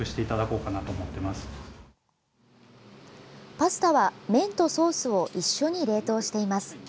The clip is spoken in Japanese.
パスタは、麺とソースを一緒に冷凍しています。